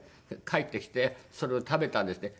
帰ってきてそれを食べたんですって。